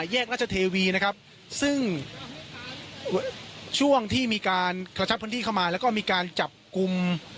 แยกราชเทวีนะครับซึ่งช่วงที่มีการกระชับพื้นที่เข้ามาแล้วก็มีการจับกลุ่ม